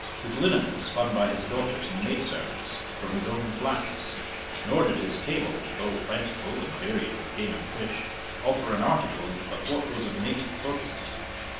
His linen was spun by his daughters and maidservants, from his own flax; nor did his table, though plentiful, and varied with game and fish, offer an article but what was of native produce.